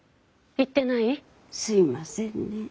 すみませんね。